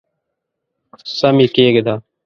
سم یې کښېږده !